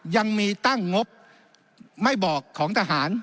ยังมีตั้งงบไม่บอกของทหาร